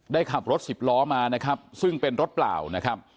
ได้ขับรถสิบล้อมานะครับซึ่งเป็นรถเปล่านะครับ